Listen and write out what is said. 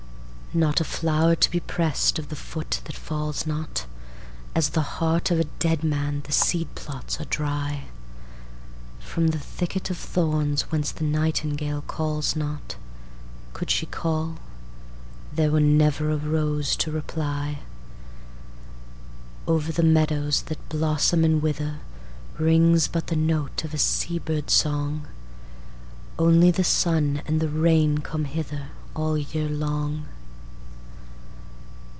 Not a flower to be press'd of the foot that falls not; As the heart of a dead man the seed plots are dry; From the thicket of thorns whence the nightingale calls not, Could she call, there were never a rose to reply. Over the meadows that blossom and witherRings but the note of a sea bird's song; Only the sun and the rain come hitherAll year long.